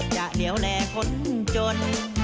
จะเหนียวแหล่คนจน